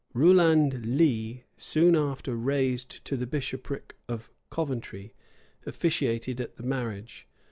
Rouland Lee, soon after raised to the bishopric of Coventry, officiated at the marriage.